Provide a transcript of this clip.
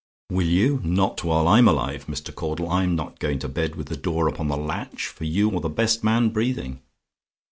"Will you? Not while I'm alive, Mr Caudle. I'm not going to bed with the door upon the latch for you or the best man breathing.